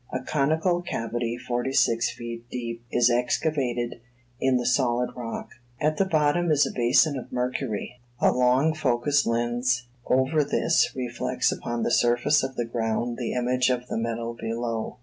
A conical cavity forty six feet deep is excavated in the solid rock. At the bottom is a basin of mercury. A long focus lens over this reflects upon the surface of the ground the image of the metal below.